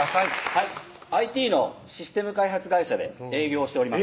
はいＩＴのシステム開発会社で営業をしております